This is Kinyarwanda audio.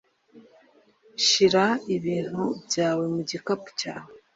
shira ibintu byawe mu gikapu cyawe